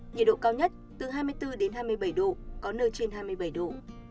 nhiệt độ cao nhất từ hai mươi bốn đến hai mươi bảy độ có nơi trên hai mươi bảy độ